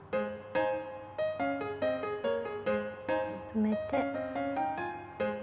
止めて。